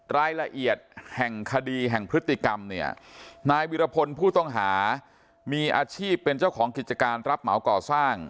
รายละเอียดแห่งคดีแห่งพฤติกรรมเนี่ยนายวิรพลผู้ต้องหามีอาชีพเป็นเจ้าของกิจการรับเหมาก่อสร้าง